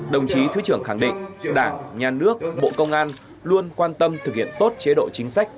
đồng chí thứ trưởng khẳng định đảng nhà nước bộ công an luôn quan tâm thực hiện tốt chế độ chính sách